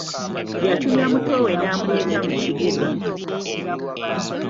Yatumya muto we n'amuleeta mu kibuga.